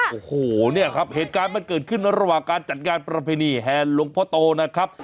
โอ้โหเนี่ยครับเหตุการณ์มันเกิดขึ้นระหว่างการจัดงานประเพณีแห่หลวงพ่อโตนะครับ